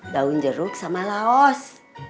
daun jeruk sama laos